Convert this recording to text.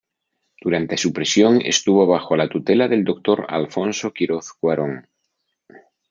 Durante su prisión estuvo bajo la tutela del doctor Alfonso Quiroz Cuarón.